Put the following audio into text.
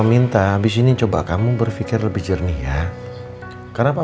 mas rambutnya bau